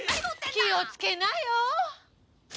気をつけなよ。